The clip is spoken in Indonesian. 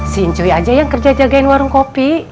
si incuy aja yang kerja jagain warung kopi